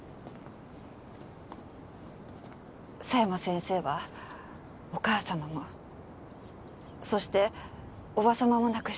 佐山先生はお母様もそして叔母様も亡くしています。